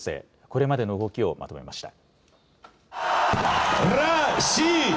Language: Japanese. これまでの動きをまとめました。